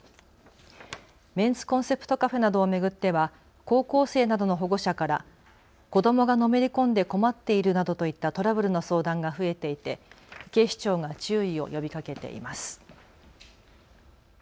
メンズコンセプトカフェなどを巡っては高校生などの保護者から子どもがのめり込んで困っているなどといったトラブルの相談が増えていて警視庁が注意を呼びかけています。